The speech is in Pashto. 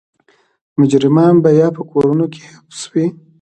مجرمان به یا په کورونو کې حبس وو.